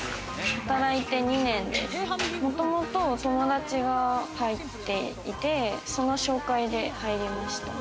働いて２年です、もともと友達が入っていて、その紹介で入りました。